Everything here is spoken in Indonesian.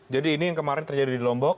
jadi ini yang kemarin terjadi di lombok